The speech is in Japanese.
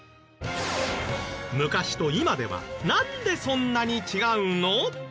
昔と今ではなんでそんなに違うの？